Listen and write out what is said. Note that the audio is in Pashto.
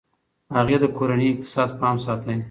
هغې د کورني اقتصاد پام ساتي.